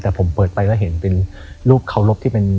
แต่ผมเปิดไปแล้วเห็นเป็นรูปเคารพที่เป็น